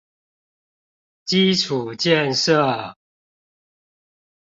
基礎建設